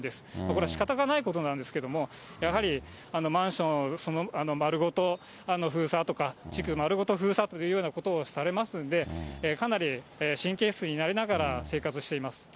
これはしかたがないことなんですけれども、やはりマンション丸ごと封鎖とか、地区丸ごと封鎖というようなことをされますんで、かなり神経質になりながら生活しています。